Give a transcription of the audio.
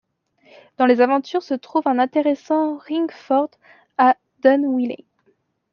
Dans les alentours se trouve un intéressant ringfort à Dunwiley.